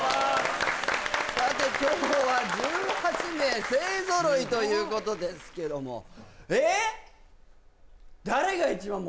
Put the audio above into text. さて今日は１８名勢揃いということですけどもええ！？